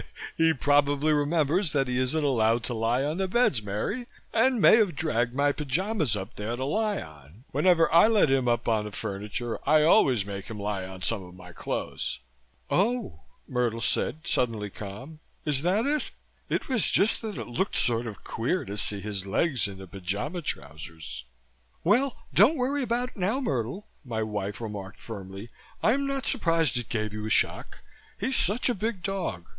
"He probably remembers that he isn't allowed to lie on the beds, Mary, and may have dragged my pyjamas up there to lie on. Whenever I let him up on the furniture I always make him lie on some of my clothes." "Oh," Myrtle said, suddenly calm. "Is that it? It was just that it looked sort of queer to see his legs in the pyjama trousers." "Well, don't worry about it now, Myrtle," my wife remarked firmly. "I'm not surprised it gave you a shock. He's such a big dog.